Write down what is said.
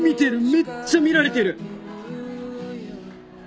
めっちゃ見られてる！